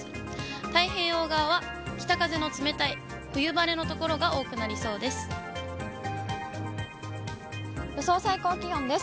太平洋側は北風の冷たい冬晴れの所が多くなりそうです。